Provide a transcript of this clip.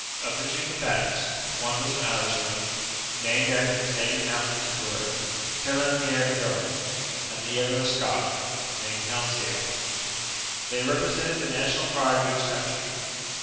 Of the two combatants, one was an Irishman, named after his native mountain in Tipperary, Phelem ghe Madone, and the other a Scot, named Helmsgail. They represented the national pride of each country.